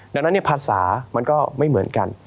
ดังนั้นภาษามันก็ไม่เหมือนกัน